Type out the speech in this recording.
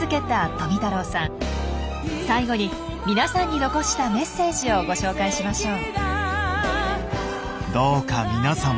最後にみなさんに残したメッセージをご紹介しましょう。